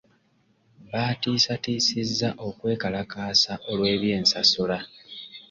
Baatiisatiisizza okwekalakaasa olw'eby'ensasula.